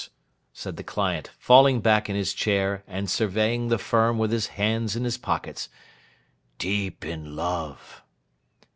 said the client, falling back in his chair, and surveying the Firm with his hands in his pockets. 'Deep in love.